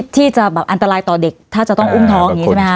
อ๋อที่จะแบบอันตรายต่อเด็กถ้าจะต้องอุ้มท้องใช่ไหมครับ